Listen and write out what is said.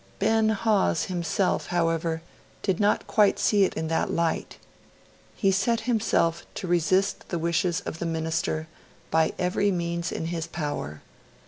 Ben Hawes himself, however, did not quite see it in that light. He set himself to resist the wishes of the Minister by every means in his power.